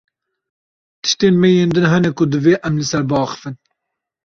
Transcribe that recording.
Tiştên me yên din hene ku divê em li ser biaxivin.